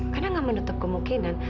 karena gak menutup kemungkinan